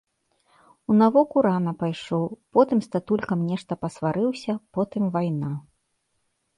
У навуку рана пайшоў, потым з татулькам нешта пасварыўся, потым вайна.